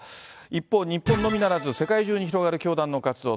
一方、日本のみならず世界中に広がる教団の活動。